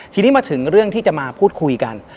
ทีนี้มาถึงเรื่องที่จะมาพูดคุยกัน